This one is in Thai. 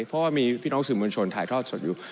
เพราะว่ามีพี่น้องสื่อมวลชนถ่ายทอดสดอยู่